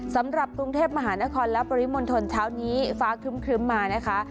สำหรับกรุงเทพมหานครและปริมณฑลเช้านี้ฟ้าครึ้มมานะคะ